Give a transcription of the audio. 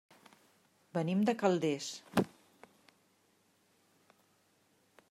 Venim de Calders.